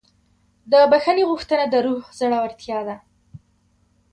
د بښنې غوښتنه د روح زړورتیا ده.